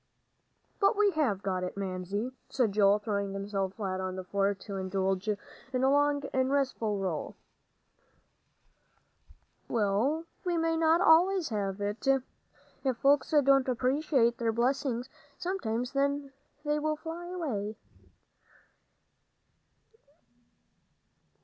"But we have got it, Mamsie," said Joel, throwing himself flat on the floor, to indulge in a long and restful roll. "Well, we may not always have it. If folks don't appreciate their blessings, sometimes they fly away."